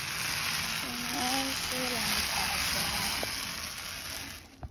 始祖单弓兽与其他早期蜥形纲动物的外表类似。